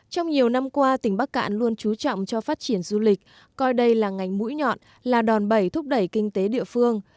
trong nhiều năm qua tỉnh bắc cạn luôn trú trọng cho phát triển du lịch coi đây là ngành mũi nhọn là đòn bẩy thúc đẩy kinh tế địa phương